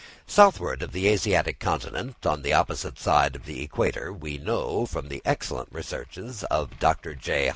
Southward of the Asiatic continent, on the opposite side of the equator, we know, from the excellent researches of Dr. J.